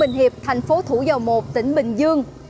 bình hiệp thành phố thủ dầu một tỉnh bình dương